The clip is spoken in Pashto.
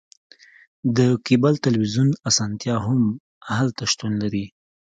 د کیبل تلویزیون اسانتیا هم هلته شتون لري